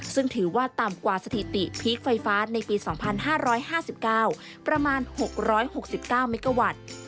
ซึ่งถือว่าต่ำกว่าสถิติพีคไฟฟ้าในปี๒๕๕๙ประมาณ๖๖๙เมกาวัตต์